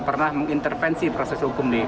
pernah mengintervensi proses hukum di